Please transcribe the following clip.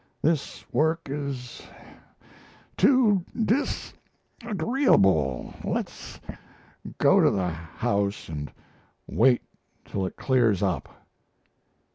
This work is too disagreeable. Let's go to the house and wait till it clears up."